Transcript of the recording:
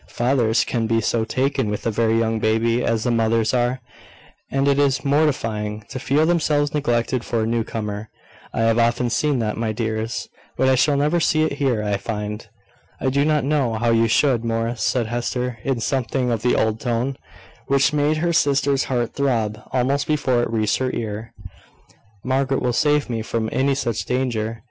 Fathers cannot be so taken with a very young baby as the mothers are, and it is mortifying to feel themselves neglected for a newcomer. I have often seen that, my dears; but I shall never see it here, I find." "I do not know how you should, Morris," said Hester, in something of the old tone, which made her sister's heart throb almost before it reached her ear. "Margaret will save me from any such danger.